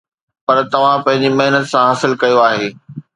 پر توهان پنهنجي محنت سان حاصل ڪيو آهي